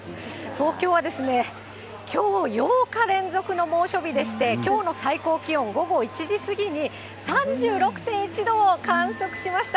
東京はきょう、８日連続の猛暑日でして、きょうの最高気温、午後１時過ぎに３６．１度を観測しました。